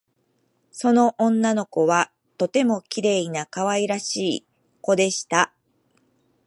その女の子はとてもきれいなかわいらしいこでした